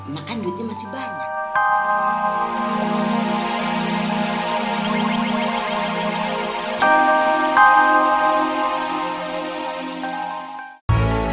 makan duitnya masih banyak